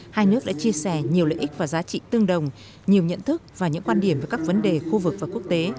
hai nước đã chia sẻ nhiều lợi ích và giá trị tương đồng nhiều nhận thức và những quan điểm về các vấn đề khu vực và quốc tế